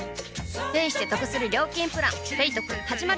ペイしてトクする料金プラン「ペイトク」始まる！